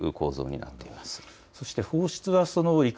という構造になっています。